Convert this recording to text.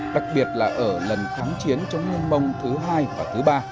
đặc biệt là ở lần thắng chiến chống nguyên mông thứ hai và thứ ba